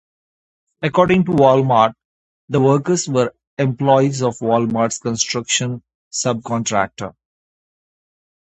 According to Walmart, the workers were employees of Walmart's construction subcontractor.